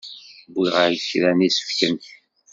Wwiɣ-ak-d kra n yisefken.